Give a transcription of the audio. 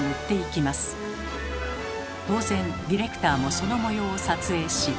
当然ディレクターもその模様を撮影し。